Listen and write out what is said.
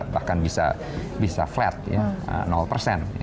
bahkan bisa flat persen